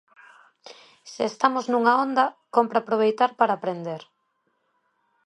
Se estamos nunha onda, cómpre aproveitar para aprender.